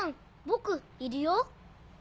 僕いるよ。